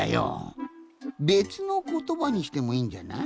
べつのことばにしてもいいんじゃない？